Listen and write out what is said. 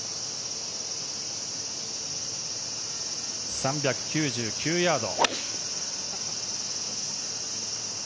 ３９９ヤード。